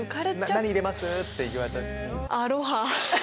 「何入れます？」って言われた時に。